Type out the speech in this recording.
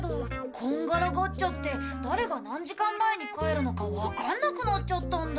こんがらがっちゃって誰が何時間前に帰るのかわかんなくなっちゃったんだ。